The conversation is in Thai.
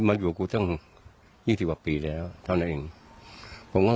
ไม่อยากให้แม่เป็นอะไรไปแล้วนอนร้องไห้แท่ทุกคืน